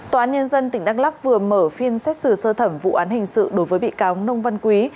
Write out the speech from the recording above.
tòa án nhân dân tỉnh đắk lắc vừa mở phiên xét xử sơ thẩm vụ án hình sự đối với bị cáo nông văn quý